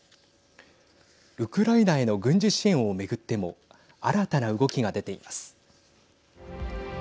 ウクライナへの軍事支援を巡っても新たな動きが出ています。